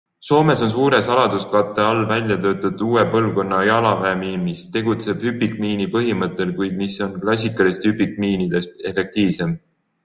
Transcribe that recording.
Soomes on suure saladuskatte all väljatöötatud uue põlvkonna jalaväemiin, mis tegutseb hüpikmiini põhimõttel, kuid mis on klassikalistest hüpikmiinidest efektiivsem.